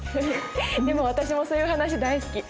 でも私もそういう話大好き。ね。